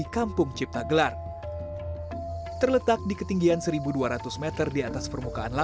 kampung cipta gelar